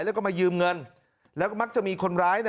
แล้วก็มายืมเงินแล้วก็มักจะมีคนร้าย